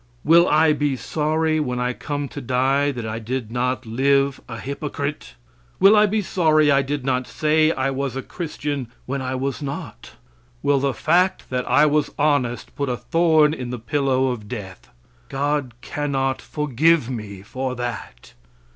Will I be sorry when I come to die that I did not live a hypocrite? Will I be sorry I did not say I was a Christian when I was not? Will the fact that I was honest put a thorn in the pillow of death? God cannot forgive me for that.